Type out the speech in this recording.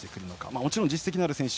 もちろん実績のある選手